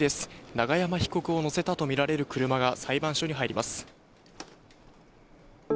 永山被告を乗せたと見られる車が裁判所に入ります。